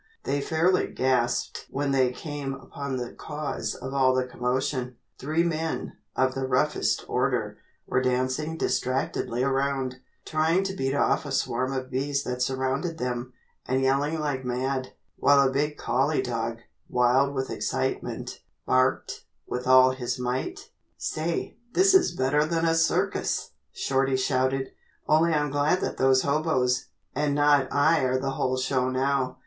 They fairly gasped when they came upon the cause of all the commotion. Three men, of the roughest order, were dancing distractedly around, trying to beat off a swarm of bees that surrounded them, and yelling like mad, while a big collie dog, wild with excitement, barked with all his might. [Illustration: Three men of the roughest order were dancing distractedly around.] "Say, this is better than a circus," Shorty shouted, "only I'm glad that those hoboes and not I are the whole show now."